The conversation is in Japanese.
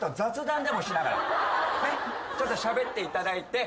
ちょっとしゃべっていただいて。